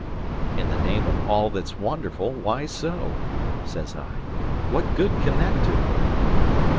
"In the name of all that's wonderful, why so?" says I. "What good can that do?"